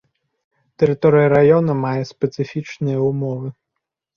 Тэрыторыя раёна мае спецыфічныя ўмовы.